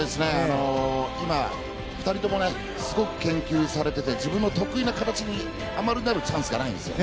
今、２人ともすごく研究されていて自分の得意な形にあまりなるチャンスがないんですよ。